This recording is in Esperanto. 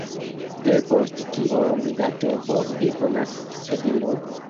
Depost kiom da tempo vi konas Sedilon?